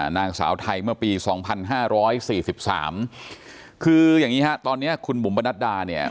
นางสาวไทยเมื่อปี๒๕๔๓คืออย่างนี้ฮะตอนนี้คุณบุ๋มประนัดดาเนี่ย